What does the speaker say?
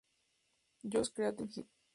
Josh created it.